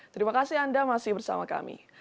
terima kasih anda masih bersama kami